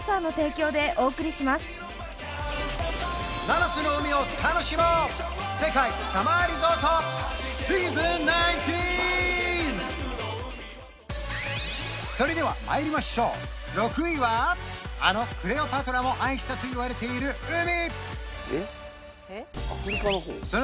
今回はそんな世界の題してそれではまいりましょう６位はあのクレオパトラも愛したといわれている海！